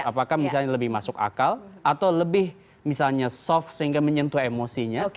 apakah misalnya lebih masuk akal atau lebih misalnya soft sehingga menyentuh emosinya